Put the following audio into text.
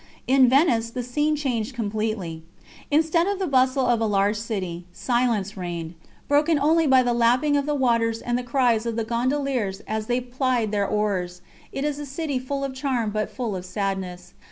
In Venice the scene changed completely. Instead of the bustle of a large city, silence reigned, broken only by the lapping of the waters and the cries of the gondoliers as they plied their oars; it is a city full of charm but full of sadness.